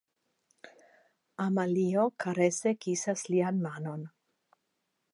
Amalio karese kisas lian manon.